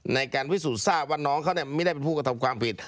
ในการพิสูจน์ทราบว่าน้องเขาไม่ได้เป็นผู้กระทำความผิด